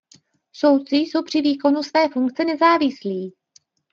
Soudci jsou při výkonu své funkce nezávislí.